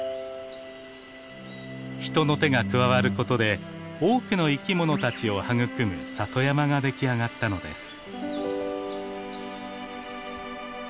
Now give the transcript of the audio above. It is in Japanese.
人の手が加わることで多くの生きものたちを育む里山が出来上がったのです。